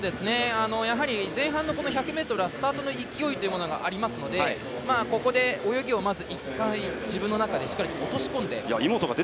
やはり前半の１００ｍはスタートの勢いというのがありますのでここで泳ぎを自分の中でしっかり落とし込んで。